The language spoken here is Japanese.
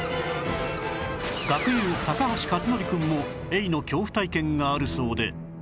学友高橋克典くんもエイの恐怖体験があるそうで